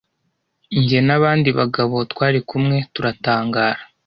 Jye n abandi bagabo twari kumwe turatangara